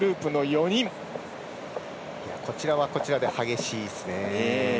こちらはこちらで激しいですね。